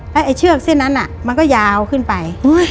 แล้วไอ้เชือกเส้นนั้นมันก็ยาวขึ้นไป